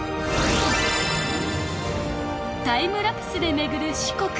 タイムラプスで巡る四国